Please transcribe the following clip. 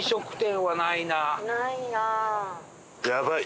ないなあ。